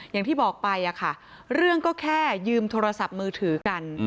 อย่างที่บอกไปค่ะเรื่องก็แค่ยืมโทรศัพท์มือถือกัน